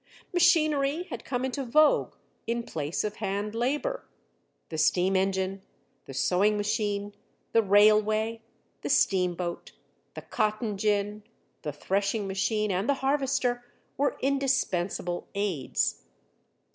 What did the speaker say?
Machinery had come into vogue in place of hand labor. The steam engine, the sewing machine, the railway, the steamboat, the cotton gin, the threshing machine and the harvester, were indispensable aids.